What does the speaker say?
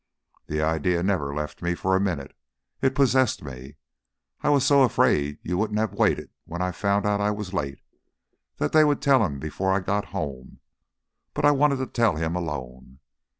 The idea never left me for a minute; it possessed me. I was so afraid you wouldn't have waited when I found out I was late, that they would tell him before I got home. But I wanted to tell him alone.